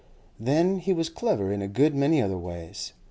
Then he was clever in a good many other ways.